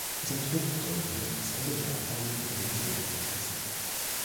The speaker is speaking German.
Sein Tod bedeutete das Ende der Abteilung „Italienische Oper“ in Dresden.